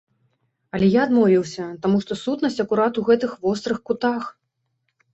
Але я адмовіўся, таму што сутнасць акурат у гэтых вострых кутах.